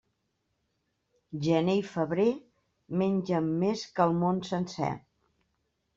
Gener i febrer mengen més que el món sencer.